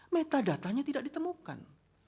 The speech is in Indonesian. metadata nya tidak ditemukan